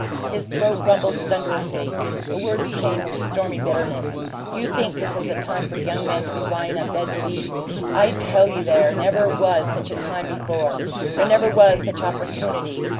His throat rumbled thunderously; the words came with stormy bitterness. "You think this is a time for young men to be lyin' on beds of ease? I tell you there never was such a time before; there never was such opportunity.